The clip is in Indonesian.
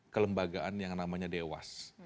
kelembagaan yang namanya dewas